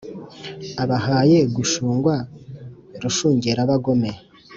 abahaye gushungwa rushungera-bagome